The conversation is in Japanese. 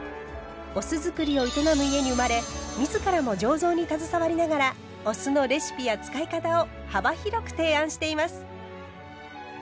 お酢造りを営む家に生まれ自らも醸造に携わりながらお酢のレシピや使い方を幅広く提案しています。